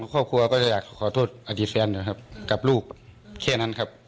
ครอบครัวก็จะอยากขอโทษอาทิตย์แฟนกับลูกเคี่ยนั้นครับ